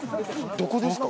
どこですか？